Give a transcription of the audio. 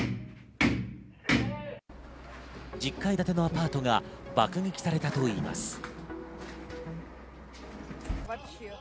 １０階建てのアパートが爆撃されたといいます。